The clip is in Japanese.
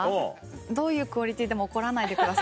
どういうクオリティーでも怒らないでください。